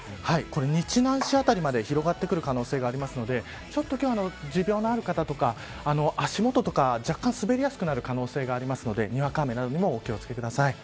日南市辺りまで広がってくる可能性があるのでちょっと今日、持病のある方とか足元とか若干滑りやすくなる可能性があるのでにわか雨などにもお気を付けください。